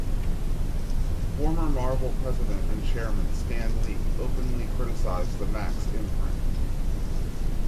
Former Marvel president and chairman Stan Lee openly criticized the Max imprint.